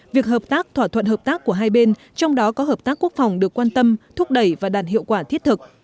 việc hợp tác thỏa thuận hợp tác của hai bên trong đó có hợp tác quốc phòng được quan tâm thúc đẩy và đạt hiệu quả thiết thực